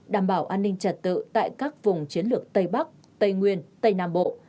đảm bảo an ninh trật tự tại các vùng chiến lược tây bắc tây nguyên tây nam bộ